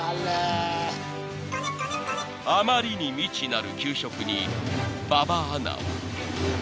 ［あまりに未知なる給食に馬場アナは？］